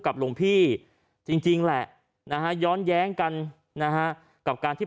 หลวงพี่จริงแหละนะฮะย้อนแย้งกันนะฮะกับการที่